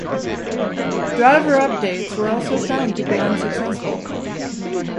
Driver updates were also found to be unsuccessful.